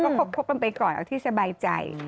ใช่ค่ะแล้วก็พบกันไปก่อนเอาที่สบายใจ